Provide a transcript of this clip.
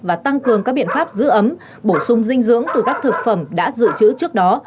và tăng cường các biện pháp giữ ấm bổ sung dinh dưỡng từ các thực phẩm đã dự trữ trước đó